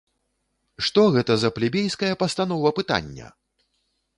Што гэта за плебейская пастанова пытання?!